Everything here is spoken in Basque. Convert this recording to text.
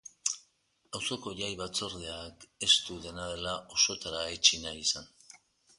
Auzoko jai batzordeak ez du, dena dela, osotara etsi nahi izan.